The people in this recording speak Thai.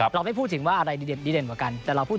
เราไม่พูดถึงว่าอะไรดีเด่นเด่นกว่ากัน